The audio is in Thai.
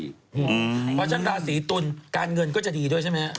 เพราะฉะนั้นราศีตุลการเงินก็จะดีด้วยใช่ไหมครับ